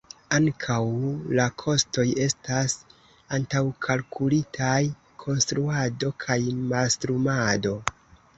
Ankaŭ la kostoj estas antaŭkalkulitaj: konstruado kaj mastrumado.